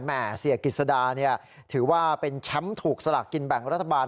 แหม่เสียกิจสดาเนี่ยถือว่าเป็นแช้มถูกสลักกินแบ่งรัฐบาล